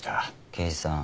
刑事さん。